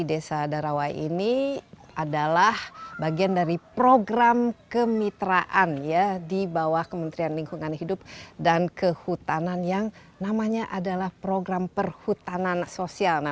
desa darawai ini adalah bagian dari program kemitraan di bawah kementerian lingkungan hidup dan kehutanan yang namanya adalah program perhutanan sosial